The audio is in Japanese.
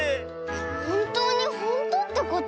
ほんとうにほんとってこと⁉